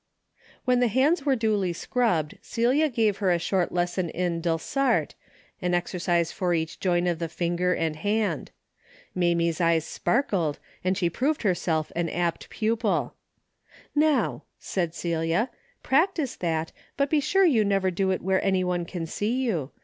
When the hands were duly scrubbed, Celia gave her a short lesson in Delsarte, an exer cise for each joint of the finger and hand. Mamie's eyes sparkled and she proved herself an apt pupil. " ISTow," said Celia, " practice that, but be sure you never do it where any one can see you.